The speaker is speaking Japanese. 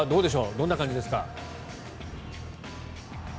どんな感じですか。